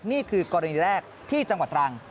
นี่คือกรณีแรกที่จังหวัดตรัง